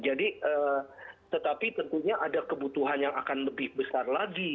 jadi tetapi tentunya ada kebutuhan yang akan lebih besar lagi